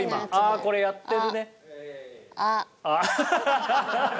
これはやってる。